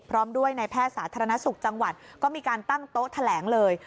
พร้อมด้วยในแพทย์สาธารณสุขจังหวัดก็มีการตั้งโต๊ะแถลงเลย